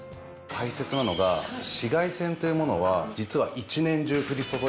大切なのが紫外線というものは実は一年中降り注いでいるんです。